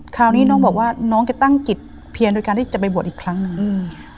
คราวนี้น้องบอกว่าน้องจะตั้งจิตเพียรโดยการที่จะไปบวชอีกครั้งหนึ่งอืม